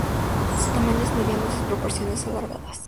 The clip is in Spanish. Su tamaño es mediano y sus proporciones alargadas.